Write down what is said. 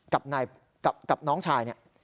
กับน้องชาย